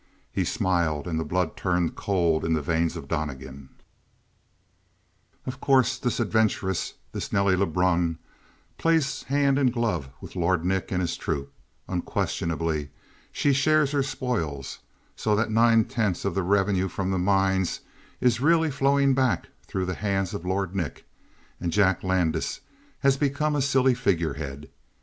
He smiled, and the blood turned cold in the veins of Donnegan. "Of course this adventuress, this Nelly Lebrun, plays hand in glove with Lord Nick and his troupe; unquestionably she shares her spoils, so that nine tenths of the revenue from the mines is really flowing back through the hands of Lord Nick and Jack Landis has become a silly figurehead.